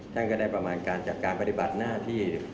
ท่านก็ได้ประมาณการจากการปฏิบัติหน้าที่